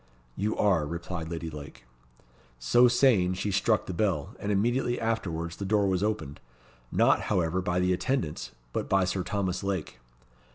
"You are," replied Lady Lake. So saying, she struck the bell, and immediately afterwards the door was opened; not, however, by the attendants, but by Sir Thomas Lake.